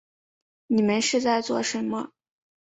你们是在做什么